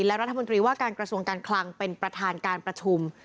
และรัฐมนตรีว่าการกระทรวงการคลังเป็นประธานการประชุม